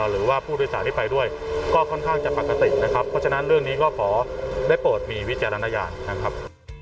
หรือว่าผู้โดยสารที่ไปด้วยก็ค่อนข้างจะปกตินะครับเพราะฉะนั้นเรื่องนี้ก็ขอได้โปรดมีวิจารณญาณนะครับ